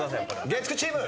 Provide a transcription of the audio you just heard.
月９チーム。